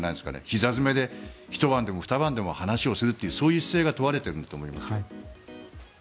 ひざ詰めでひと晩でもふた晩でも話をするという姿勢が問われているんだと思います。